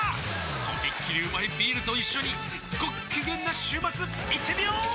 とびっきりうまいビールと一緒にごっきげんな週末いってみよー！